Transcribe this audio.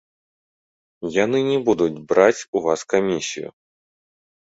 Яны не будуць браць у вас камісію.